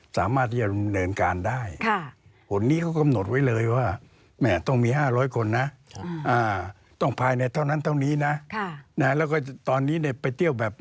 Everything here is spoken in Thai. สามารถให้เนินการได้